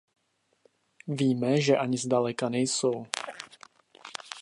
Víme, že ani zdaleka nejsou.